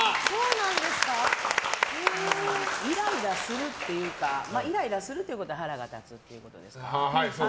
イライラするっていうかイライラするっていうことは腹が立つっていうことですよね。